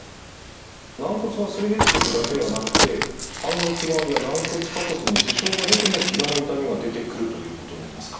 軟骨がすり減っていくだけではなくて半月板や軟骨下骨に支障が出てもひざの痛みが出てくるということになりますか？